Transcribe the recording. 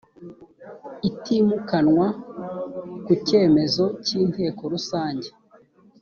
itimukanwa ku cyemezo cy inteko rusange